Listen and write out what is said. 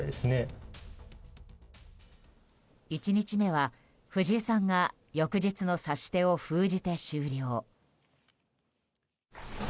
１日目は、藤井さんが翌日の指し手を封じて終了。